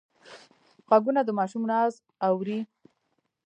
غوږونه د ماشوم ناز اوري